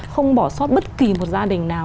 không bỏ sót bất kỳ một gia đình nào